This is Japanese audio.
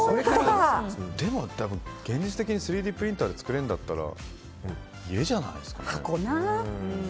でも、現実的に３Ｄプリンターで作れるんだったら家じゃないですかね。